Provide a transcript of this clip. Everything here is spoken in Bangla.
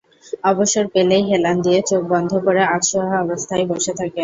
অবসর পেলেই হেলান দিয়ে চোখ বন্ধ করে আধশোয়া অবস্থায় বসে থাকেন।